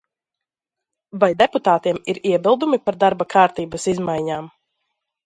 Vai deputātiem ir iebildumi par darba kārtības izmaiņām?